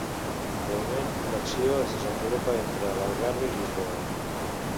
De moment l'acció es desenvolupa entre l'Algarve i Lisboa.